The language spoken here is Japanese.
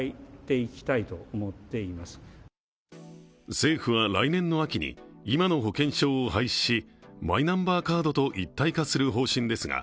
政府は、来年の秋に今の保険証を廃止しマイナンバーカードと一体化する方針ですが